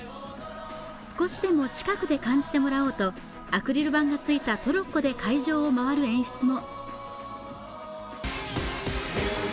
少しでも近くで感じてもらおうとアクリル板がついたトロッコで会場を回る演出も。